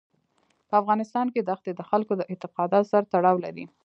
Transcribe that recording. په افغانستان کې دښتې د خلکو د اعتقاداتو سره تړاو لري.